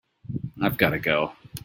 I've got to go.